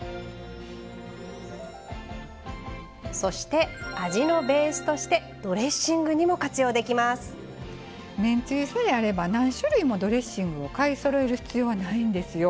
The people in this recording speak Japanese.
そして、味のベースとしてドレッシングにもめんつゆさえあれば何種類もドレッシングを買いそろえる必要はないんですよ。